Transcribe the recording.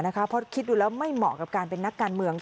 เพราะคิดดูแล้วไม่เหมาะกับการเป็นนักการเมือง